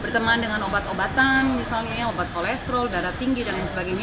berteman dengan obat obatan misalnya ya obat kolesterol darah tinggi dan lain sebagainya